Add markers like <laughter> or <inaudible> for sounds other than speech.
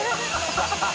ハハハ <laughs>